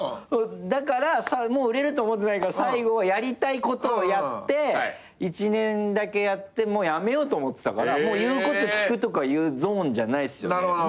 だからもう売れると思ってないから最後やりたいことをやって一年だけやってもう辞めようと思ってたからもう言うこと聞くとかいうゾーンじゃないっすよね。